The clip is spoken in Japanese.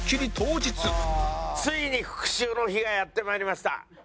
ついに復讐の日がやってまいりました。